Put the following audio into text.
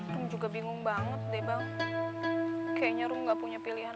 rum juga bingung banget deh bang kayaknya rum gak punya pilihan lain